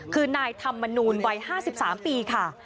คือนายธรรมนูลวัย๕๓ปีค่ะ